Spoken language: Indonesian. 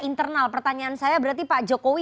internal pertanyaan saya berarti pak jokowi